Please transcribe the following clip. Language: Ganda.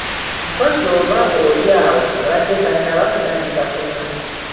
Mpozzi oba oli awo abadde tannaba kutandika kunywa.